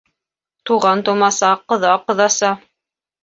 Туған-тыумаса, ҡоҙа-ҡоҙаса.